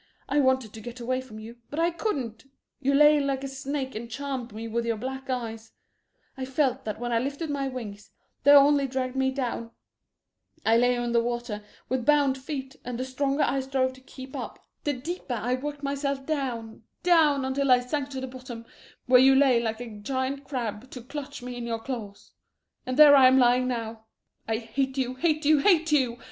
I wanted to get away from you, but I couldn't; you lay like a snake and charmed me with your black eyes; I felt that when I lifted my wings they only dragged me down; I lay in the water with bound feet, and the stronger I strove to keep up the deeper I worked myself down, down, until I sank to the bottom, where you lay like a giant crab to clutch me in your claws and there I am lying now. I hate you, hate you, hate you!